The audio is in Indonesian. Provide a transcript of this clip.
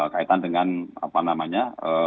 kaitan dengan apa namanya